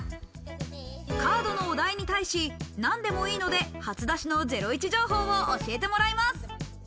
カードのお題に対し何でもいいので初出しのゼロイチ情報を教えてもらえます。